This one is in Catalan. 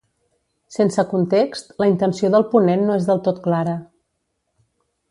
Sense context, la intenció del ponent no és del tot clara.